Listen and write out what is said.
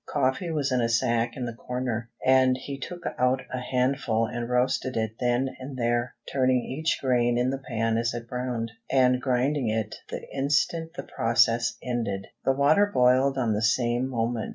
Coffee was in a sack in the corner, and he took out a handful and roasted it then and there, turning each grain in the pan as it browned, and grinding it the instant the process ended. The water boiled on the same moment.